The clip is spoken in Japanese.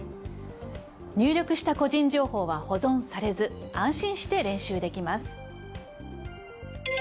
入力した個人情報は保存されず安心して練習できます。